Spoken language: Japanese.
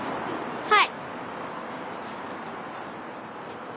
はい。